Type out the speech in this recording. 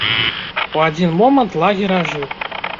У адзін момант лагер ажыў.